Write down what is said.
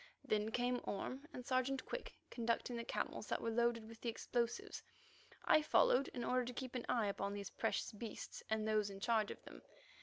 Then came Orme and Sergeant Quick, conducting the camels that were loaded with the explosives. I followed in order to keep an eye upon these precious beasts and those in charge of them.